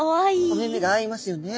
お目々が合いますよね。